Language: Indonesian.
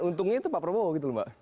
untungnya itu pak prabowo gitu loh mbak